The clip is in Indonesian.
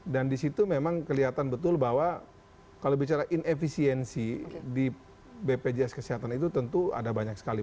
dan di situ memang kelihatan betul bahwa kalau bicara inefisiensi di bpjs kesehatan itu tentu ada banyak sekali